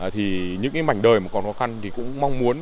thì những mảnh đời còn khó khăn cũng mong muốn